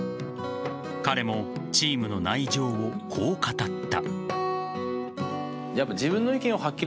彼もチームの内情をこう語った。